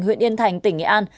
huyện yên thành tỉnh nghệ an